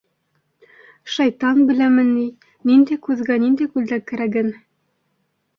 Шайтан беләме ни ниндәй күҙгә ниндәй күлдәк кәрәген.